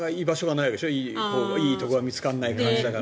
いいところが見つからないから。